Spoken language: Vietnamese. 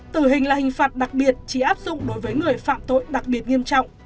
tử hình là hình phạt đặc biệt chỉ áp dụng đối với người phạm tội đặc biệt nghiêm trọng